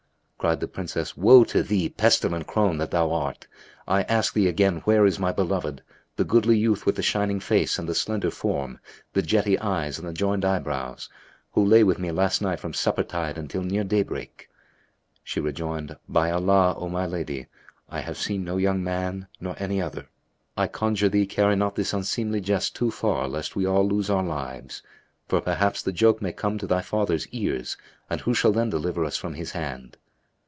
Cried the Princess, "Woe to thee pestilent crone that thou art! I ask thee again where is my beloved, the goodly youth with the shining face and the slender form, the jetty eyes and the joined eyebrows, who lay with me last night from supper tide until near daybreak?" She rejoined "By Allah, O my lady, I have seen no young man nor any other. I conjure thee, carry not this unseemly jest too far lest we all lose our lives; for perhaps the joke may come to thy father's ears and who shall then deliver us from his hand?"